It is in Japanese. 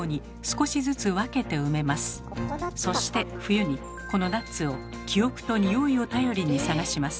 そして冬にこのナッツを記憶と匂いを頼りに探します。